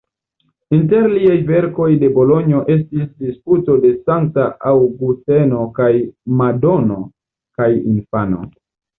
Inter liaj verkoj de Bolonjo estis "Disputo de Sankta Aŭgusteno" kaj "Madono kaj infano".